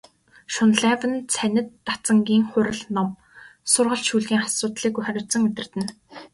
Шунлайв нь цанид дацангийн хурал ном, сургалт шүүлгийн асуудлыг хариуцан удирдана.